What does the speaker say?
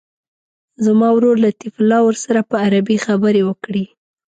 زما ورور لطیف الله ورسره په عربي خبرې وکړي.